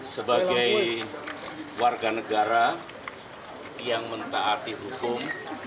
sebagai warga negara yang mentaati hukum